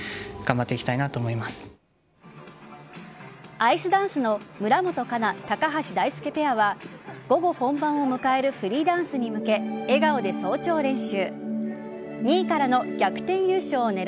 アイスダンスの村元哉中・高橋大輔ペアは午後本番を迎えるフリーダンスに向け笑顔で早朝練習。